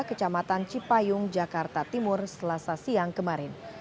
kecamatan cipayung jakarta timur selasa siang kemarin